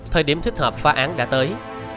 thời điểm thích hợp phá án đã tới